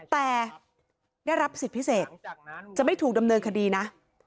แต่ได้รับสิทธิ์พิเศษจะไม่ถูกดำเนินคดีนะ